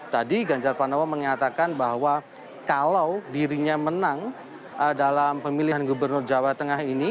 tadi ganjar pranowo mengatakan bahwa kalau dirinya menang dalam pemilihan gubernur jawa tengah ini